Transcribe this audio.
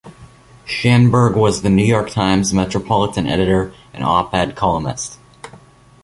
Schanberg was "The New York Times" Metropolitan Editor, and Op-Ed columnist.